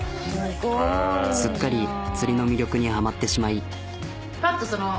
すごい。すっかり釣りの魅力にハマってしまい。